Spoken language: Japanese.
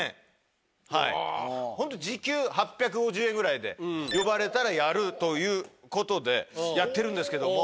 ホント時給８５０円ぐらいで呼ばれたらやるということでやってるんですけども。